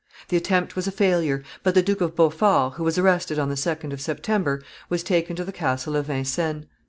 The attempt was a failure, but the Duke of Beaufort, who was arrested on the 2d of September, was taken to the castle of Vincennes.